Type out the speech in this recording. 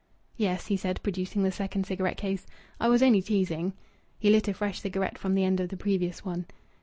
"Yes," he said, producing the second cigarette case, "I was only teasing." He lit a fresh cigarette from the end of the previous one.